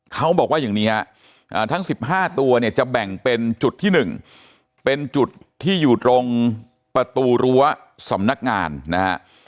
เขาบอกว่าอย่างนี้ฮะทั้ง๑๕ตัวเนี่ยจะแบ่งเป็นจุดที่๑เป็นจุดที่อยู่ตรงประตูรั้วสำนักงานนะฮะ